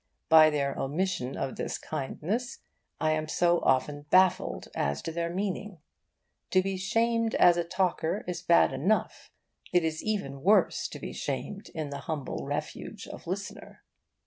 By their omission of this kindness I am so often baffled as to their meaning. To be shamed as a talker is bad enough; it is even worse to be shamed in the humble refuge of listener.